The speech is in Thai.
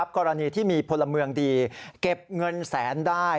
กรณีที่มีพลเมืองดีเก็บเงินแสนได้